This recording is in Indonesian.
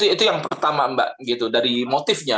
itu yang pertama mbak gitu dari motifnya